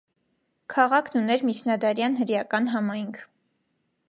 Քաղաքն ուներ միջնադարյան հրեական համայնք։